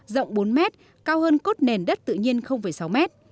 rộng bốn m cao hơn cốt nền đất tự nhiên sáu m